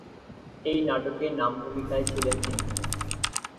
এই নাটকে নামভূমিকায় ছিলেন তিনি।